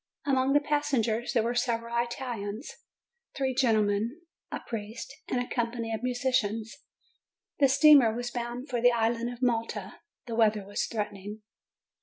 Among the passengers there were several Italians, three gentle men, a priest, and a company of musicians. The steamer was bound for the island of Malta. The weather was threatening.